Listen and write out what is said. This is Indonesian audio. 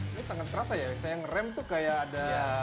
ini tangan kereta ya yang rem tuh kayak ada